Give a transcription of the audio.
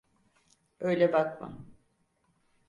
Öyle bakma.